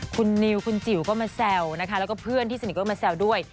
คุณนิวคุณจิ๋วก็มาแซวนะคะแล้วก็เพื่อนที่สนิทก็มาแซวด้วย